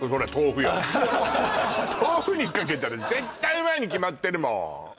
豆腐にかけたら絶対うまいに決まってるもん